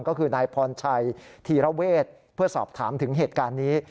ก็คือนายพรชัยธีระเวทเพื่อสอบถามถึงเหตุการณ์นี้